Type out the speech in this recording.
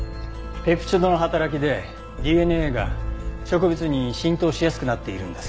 ペプチドの働きでＤＮＡが植物に浸透しやすくなっているんです。